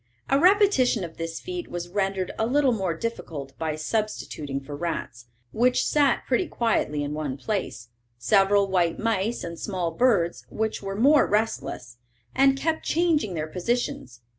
A repetition of this feat was rendered a little more difficult by substituting for rats, which sat pretty quietly in one place, several white mice and small birds, which were more restless, and kept changing their positions.